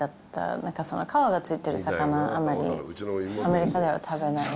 なんか皮がついてる魚、あんまりアメリカでは食べないので。